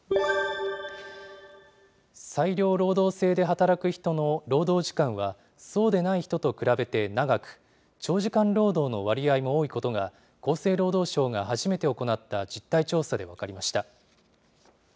裁量労働制で働く人の労働時間は、そうでない人と比べて長く、長時間労働の割合も多いことが、厚生労働省が初めて行った実態調査で分かりました。